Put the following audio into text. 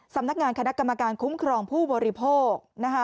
สำนักงานคณะกรรมการคุ้มครองผู้บริโภคนะคะ